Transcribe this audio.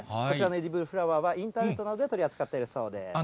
こちらのエディブルフラワーはインターネットなどで取り扱っているそうです。